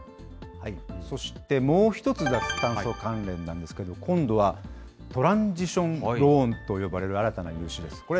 そしてもう１つ、脱炭素関連なんですけど、今度は、トランジション・ローンと呼ばれる新たな融資です。